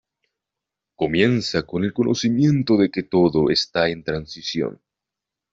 Comienza con el conocimiento de que todo está en transición.